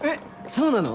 そうなの？